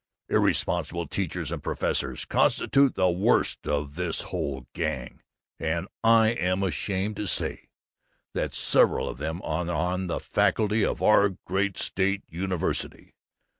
Irresponsible teachers and professors constitute the worst of this whole gang, and I am ashamed to say that several of them are on the faculty of our great State University!